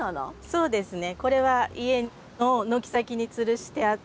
そうですね。